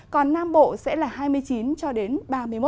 còn nam bộ sẽ là hai mươi chín ba mươi một độ